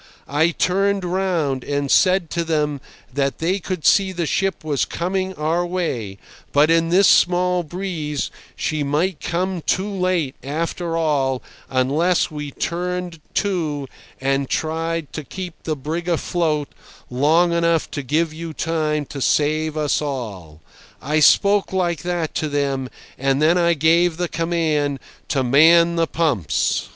I turned round and said to them that they could see the ship was coming our way, but in this small breeze she might come too late after all, unless we turned to and tried to keep the brig afloat long enough to give you time to save us all. I spoke like that to them, and then I gave the command to man the pumps."